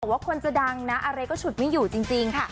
ว่าคนจะดังนะอะไรก็ฉุดไม่อยู่จริงค่ะ